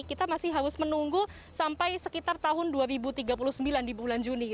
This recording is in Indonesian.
kita masih harus menunggu sampai sekitar tahun dua ribu tiga puluh sembilan di bulan juni